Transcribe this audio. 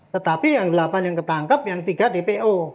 tetapi yang delapan yang ketangkep yang tiga dpo